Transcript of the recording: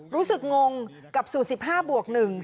รู้สึกงงกับสูตร๑๕บวก๑